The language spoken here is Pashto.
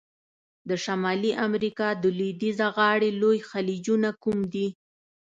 د شمالي امریکا د لویدیځه غاړي لوی خلیجونه کوم دي؟